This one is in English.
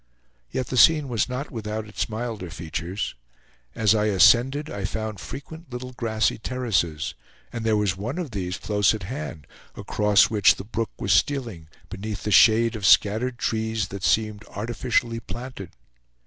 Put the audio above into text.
Yet the scene was not without its milder features. As I ascended, I found frequent little grassy terraces, and there was one of these close at hand, across which the brook was stealing, beneath the shade of scattered trees that seemed artificially planted.